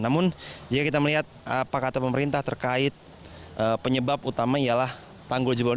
namun jika kita melihat apa kata pemerintah terkait penyebab utama ialah tanggul jebol